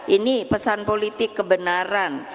ini pesan politik kebenaran